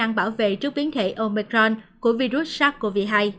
trung hòa kháng thể trước biến thể omicron của virus sars cov hai